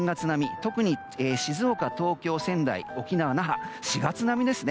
特に静岡、東京、仙台沖縄・那覇４月並みですね。